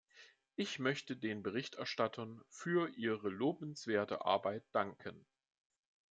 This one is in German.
Ich möchte den Berichterstattern für ihre lobenswerte Arbeit danken.